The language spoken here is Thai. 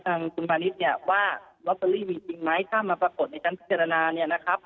ทางคุณพาณิชย์เนี่ยว่าลอตเตอรี่มีจริงไหมถ้ามาปรากฏในชั้นพิจารณาเนี่ยนะครับ